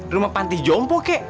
rumah panti jompo ke